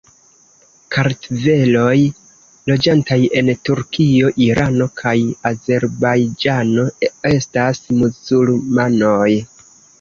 Kartveloj loĝantaj en Turkio, Irano kaj Azerbajĝano estas muzulmanoj.